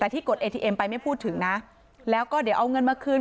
แต่ที่กดเอทีเอ็มไปไม่พูดถึงนะแล้วก็เดี๋ยวเอาเงินมาคืน